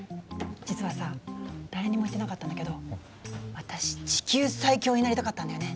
実はさ誰にも言ってなかったんだけど私地球最強になりたかったんだよね。